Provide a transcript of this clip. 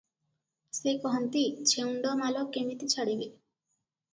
ସେ କହନ୍ତି, "ଛେଉଣ୍ଡ ମାଲ କେମିତି ଛାଡ଼ିବେ?